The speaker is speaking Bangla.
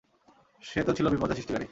সে তো ছিল বিপর্যয় সৃষ্টিকারী।